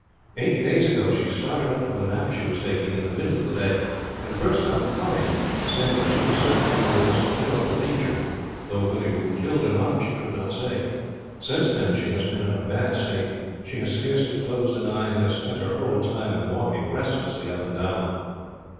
Eight days ago, she started up from a nap she was taking, in the middle of the day, and burst out crying, saying that she was certain you were in some terrible danger, though whether you were killed or not she could not say. Since then she has been in a bad state. She has scarcely closed an eye, and has spent her whole time in walking restlessly up and down."